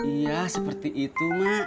iya seperti itu mak